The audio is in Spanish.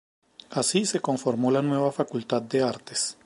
Así se conformó la nueva Facultad de Artes.